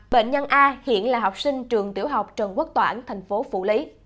bệnh nhân a hiện là học sinh trường tiểu học trần quốc toản thành phố phủ lý